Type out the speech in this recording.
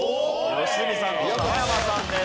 良純さんと澤山さんです。